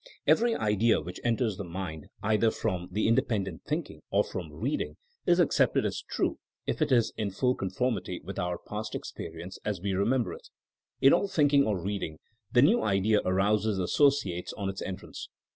Every idea which enters the mind, either from independent thinking or from read ing, IS accepted as tme if it is in full conformity with onr past experience as we remember it. In all thinking or reading, the new idea arouses associates on its entrance.